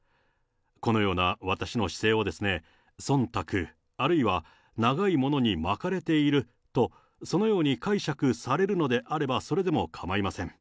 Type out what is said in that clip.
このような私の姿勢をそんたく、あるいは長いものに巻かれていると、そのように解釈されるのであれば、それでもかまいません。